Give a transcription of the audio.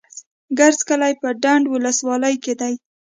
کرز کلی په ډنډ ولسوالۍ کي دی.